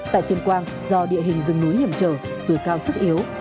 tại tuyên quang do địa hình rừng núi hiểm trở tuổi cao sức yếu